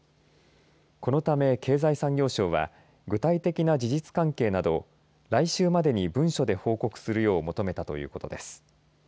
このため、経済産業省は具体的な事実関係など来週までに文書で報告するよう求めたということです。